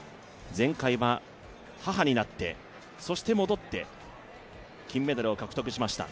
前回は母になって、そして戻って金メダルを獲得しました。